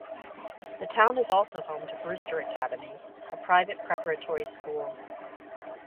The town is also home to Brewster Academy, a private preparatory school.